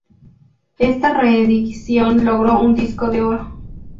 Esta reedición logró un disco de oro.